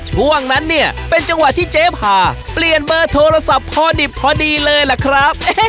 ช่วงนั้นเนี่ยเป็นจังหวะที่เจ๊พาเปลี่ยนเบอร์โทรศัพท์พอดิบพอดีเลยล่ะครับ